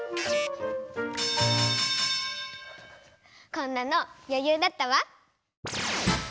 こんなのよゆうだったわ。